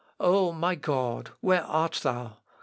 O, my God, where art thou?...